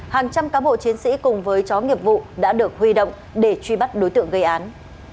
hàng trăm cán bộ chiến sĩ cùng với chó nghiệp vụ đã được huy động để truy bắt đối tượng gây án